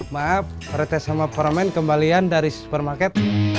maaf retes sama para men kembalian dari supermarket